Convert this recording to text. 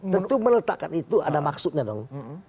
tentu meletakkan itu ada maksudnya dong